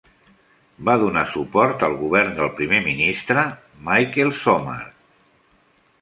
Va donar suport al govern del Primer Ministre Michael Somare.